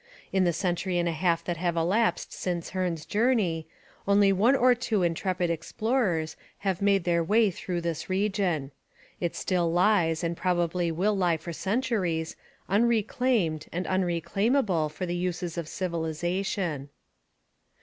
In the century and a half that have elapsed since Hearne's journey, only one or two intrepid explorers have made their way through this region. It still lies and probably will lie for centuries unreclaimed and unreclaimable for the uses of civilization.